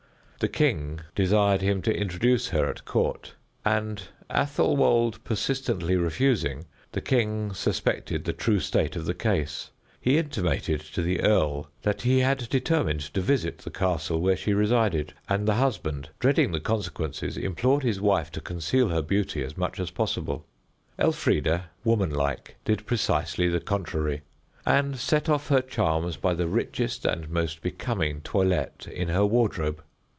The king desired him to introduce her at court, and Athelwold persistently refusing, the king suspected the true state of the case. He intimated to the earl that he had determined to visit the castle where she resided, and the husband, dreading the consequences, implored his wife to conceal her beauty as much as possible. Elfrida, woman like, did precisely the contrary, and set off her charms by the richest and most becoming toilette in her wardrobe.